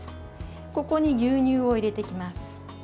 ここに牛乳を入れていきます。